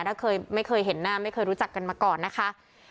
ถ้าเคยไม่เคยเห็นหน้าไม่เคยรู้จักกันมาก่อนนะคะ